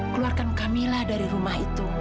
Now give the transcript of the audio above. keluarkan kamilah dari rumah itu